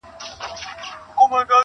یو ډارونکی، ورانونکی شی خو هم نه دی~